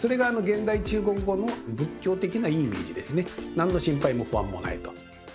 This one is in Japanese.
何の心配も不安もないと。